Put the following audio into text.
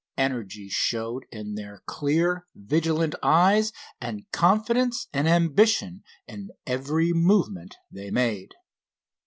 Energy showed in their clear, vigilant eyes, and confidence and ambition in every movement they made.